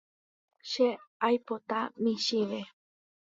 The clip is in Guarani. Che aipota michĩve.